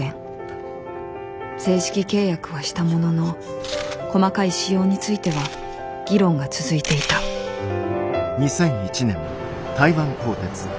正式契約はしたものの細かい仕様については議論が続いていた何だこれは！？